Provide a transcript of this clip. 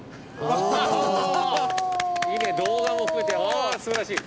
ああ素晴らしい！